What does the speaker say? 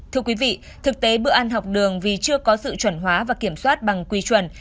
thưa quý vị thực tế bữa ăn học đường vì chưa có sự chuẩn hóa và kiểm soát bằng quy chuẩn